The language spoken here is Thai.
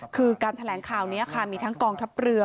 คือการแถลงข่าวนี้ค่ะมีทั้งกองทัพเรือ